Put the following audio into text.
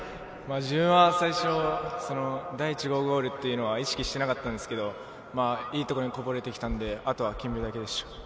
自分は最初、第１号ゴールは意識していなかったんですけど、いいところにこぼれてきたので、あとは決めるだけでした。